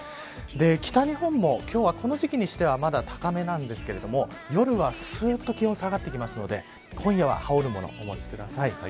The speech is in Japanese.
北日本も今日は、この時期にしてはまだ高めなんですが夜はすーっと気温が下がってくるので今夜は、羽織る物をお持ちください。